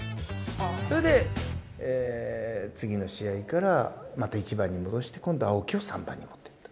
それで次の試合からまた１番に戻して今度は青木を３番に持っていった。